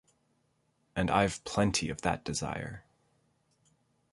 And I've plenty of that desire.